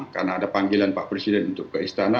karena ada panggilan pak presiden untuk ke istana